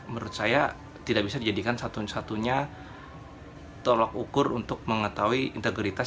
menurut saya tidak bisa dijadikan satu satunya tolok ukur untuk mengetahui integritas